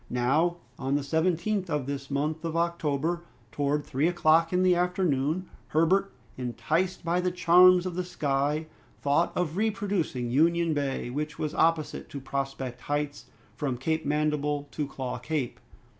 Now, on the 17th of this month of October, towards three o'clock in the afternoon, Herbert, enticed by the charms of the sky, thought of reproducing Union Bay, which was opposite to Prospect Heights, from Cape Mandible to Claw Cape.